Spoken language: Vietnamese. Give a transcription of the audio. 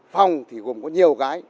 phòng thì gồm có nhiều gái